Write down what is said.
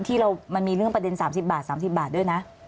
ที่มันมีประเด็นประเด็น๓๐บาทด้วยนะ